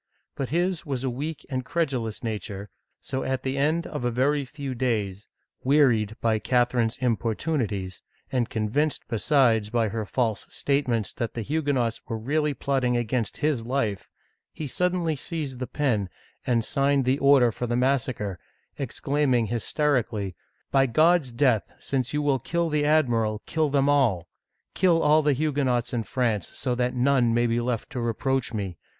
But his was a weak and credulous nature, so at the end of a very few days, wearied by Catherine's importunities, and convinced besides by her false statements that the Huguenots were really plotting against his life, he suddenly seized the pen, and signed the order for the massacre, exclaiming hysteri cally :" By God's death, since you will kill the admiral, kill them all ! Kill all the Huguenots in France, so that none may be left to reproach me.